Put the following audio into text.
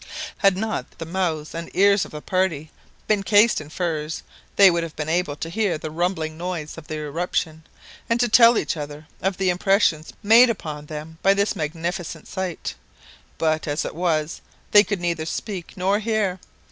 Had not the mouths and ears of the party been cased in furs, they would have been able to hear the rumbling noise of the eruption, and to tell each other of the impressions made upon them by this magnificent sight; but, as it was, they could neither speak nor hear.